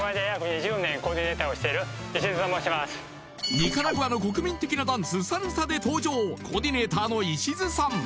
ニカラグアの国民的なダンスサルサで登場コーディネーターの石津さん